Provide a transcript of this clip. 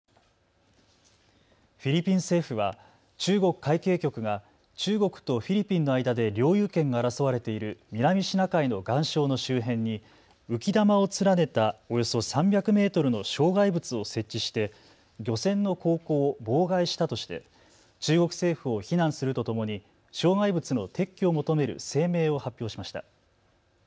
フィリピン政府は中国海警局が中国とフィリピンの間で領有権が争われている南シナ海の岩礁の周辺に浮き球を連ねたおよそ３００メートルの障害物を設置して漁船の航行を妨害したとして中国政府を非難するとともに障害物の撤去を求める声明を発表しました。